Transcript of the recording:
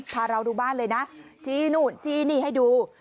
พาเราดูบ้านเลยนะชี้นู่นชี้นี่ให้ดู